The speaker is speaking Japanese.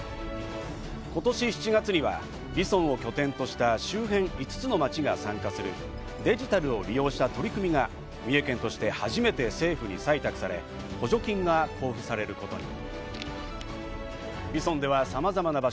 今年７月にはＶＩＳＯＮを拠点とした周辺５つの町が参加するデジタルを利用した取り組みが三重県として初めて政府に採択され、補助金が交付されることに。